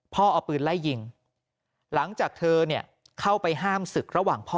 เอาปืนไล่ยิงหลังจากเธอเข้าไปห้ามศึกระหว่างพ่อ